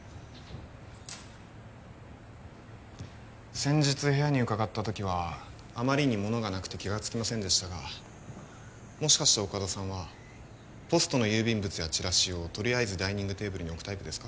先日部屋に伺った時はあまりにものがなくて気がつきませんでしたがもしかして大加戸さんはポストの郵便物やチラシをとりあえずダイニングテーブルに置くタイプですか？